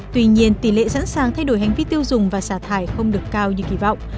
tuy nhiên tỷ lệ sẵn sàng thay đổi hành vi tiêu dùng và xả thải không được cao như kỳ vọng